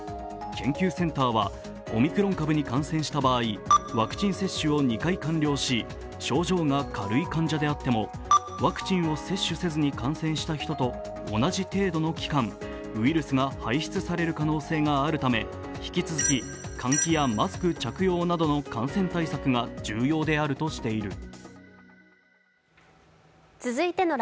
研究センターは、オミクロン株に感染した場合、ワクチン接種を２回完了し症状が軽い患者であってもワクチンを接種せずに感染した人と同じ程度の期間、ウイルスが排出される可能性があるため、引き続き換気やマスク着用などの感染対策が重要であるとしている。